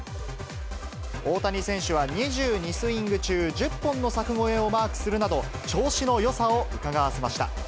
大谷選手は２２スイング中、１０本の柵越えをマークするなど、調子のよさをうかがわせました。